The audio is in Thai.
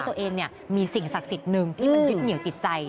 ตัวเองมีสิ่งศักดิ์สิทธิ์หนึ่งที่มันยึดเหนียวจิตใจ